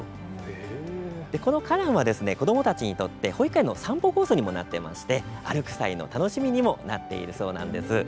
この花壇は子どもたちにとって保育園の散歩コースにもなっていて歩く際の楽しみにもなっているそうなんです。